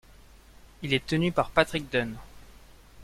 Il est tenu par Patrick Dunn.